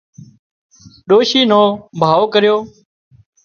ڏوشي نو ڀاوَ ڪريو